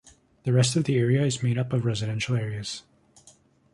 The rest of the area is made up of residential areas.